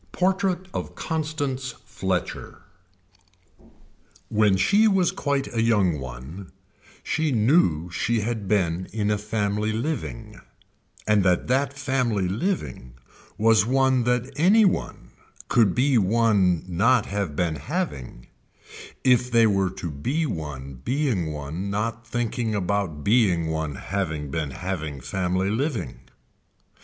PORTRAIT OF CONSTANCE FLETCHER When she was quite a young one she knew she had been in a family living and that that family living was one that any one could be one not have been having if they were to be one being one not thinking about being one having been having family living.